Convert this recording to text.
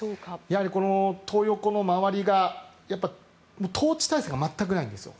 やはりこのトー横の周りが統治体制が全くないんですよ。